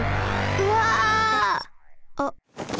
うわ！あっ。